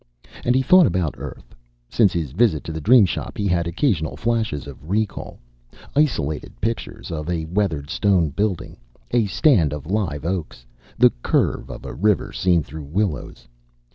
And he thought about Earth. Since his visit to the Dream Shop, he had occasional flashes of recall, isolated pictures of a weathered stone building, a stand of live oaks, the curve of a river seen through willows.